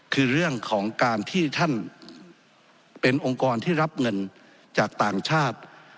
คือเรื่องของการที่ท่านเป็นองค์กรที่รับเงินจากต่างชาติ